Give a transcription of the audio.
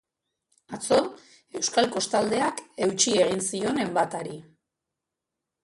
Atzo, euskal kostaldeak eutsi egin zion enbatari.